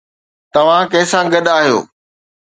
توهان ڪنهن سان گڏ آيا آهيو؟